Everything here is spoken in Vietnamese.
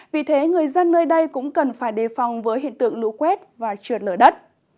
vì thế người dân nơi đây cũng cần phải đề phòng với hiện tượng lũ quét và trượt lở đất